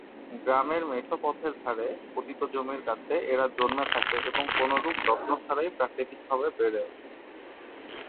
গ্রামের মেঠো পথের ধারে, পতিত জমির কাছে এরা জন্মে থাকে এবং কোনরূপ যত্ন ছাড়াই প্রাকৃতিকভাবে বেড়ে ওঠে।